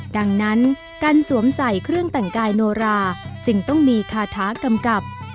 ดังนั้นการสวมใส่เครื่องแต่งกายโนราจึงต้องมีคาถากำกับ